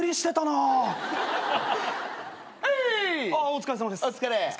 お疲れ。